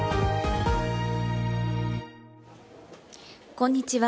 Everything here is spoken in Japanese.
こんにちは。